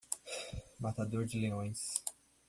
O matador de leões.